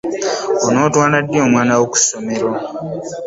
Onootwala ddi omwana wo ku ssomero?